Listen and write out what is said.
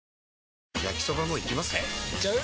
えいっちゃう？